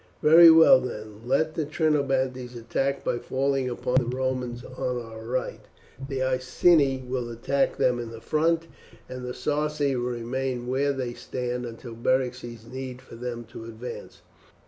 "Very well, then, let the Trinobantes attack by falling upon the Romans on our right; the Iceni will attack them in front; and the Sarci will remain where they stand until Beric sees need for them to advance."